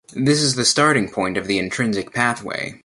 This is the starting point of the intrinsic pathway.